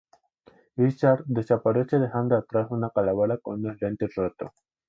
Izard desaparece dejando atrás una calavera con unos lentes rotos.